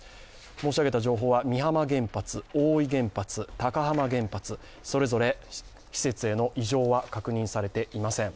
申し上げた情報は美浜原発大飯原発、高浜原発それぞれ施設への異常は確認されていません。